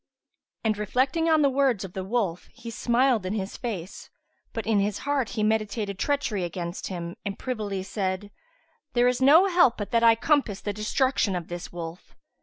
'" And reflecting on the words of the wolf he smiled in his face, but in his heart he meditated treachery against him and privily said, "There is no help but that I compass the destruction of this wolf."